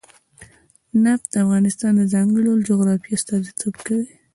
نفت د افغانستان د ځانګړي ډول جغرافیه استازیتوب کوي.